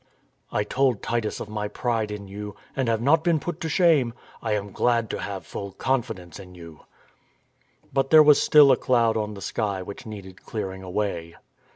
... I told Titus of my pride in you, and have not been put to shame; ... I am glad to have full confidence in you." But there was still a cloud on the sky which needed clearing away.